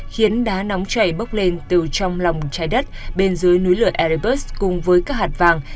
khiến đá nóng chảy bốc lên từ trong lòng trái đất bên dưới núi lửa aresburt cùng với các hạt vàng